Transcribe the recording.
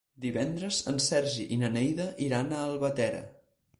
Divendres en Sergi i na Neida iran a Albatera.